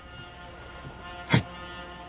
はい。